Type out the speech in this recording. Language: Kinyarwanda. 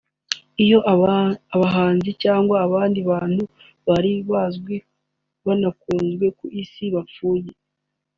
Iyo abahanzi cyangwa abandi bantu bari bazwi banakunzwe ku isi bapfuye